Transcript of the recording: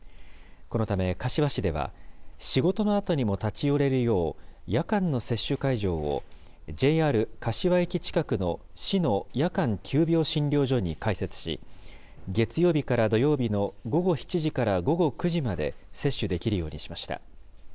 このため柏市では、仕事のあとにも立ち寄れるよう、夜間の接種会場を、ＪＲ柏駅近くの市の夜間急病診療所に開設し、月曜日から土曜日の午後７時から午後９時まで接種できるようにしました。